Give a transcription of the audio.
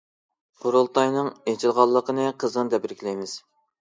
قۇرۇلتاينىڭ ئېچىلغانلىقىنى قىزغىن تەبرىكلەيمىز!